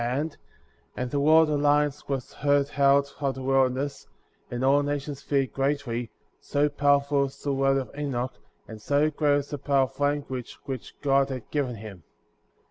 and the roar of the lions was heard out of the wilder ness; and all nations feared greatly, so powerful was the word of Enoch, and so great was the power of the language which God had given him.''